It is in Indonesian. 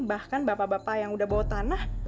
bahkan bapak bapak yang udah bawa tanah